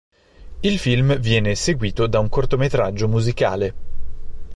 Il film viene seguito da un cortometraggio musicale.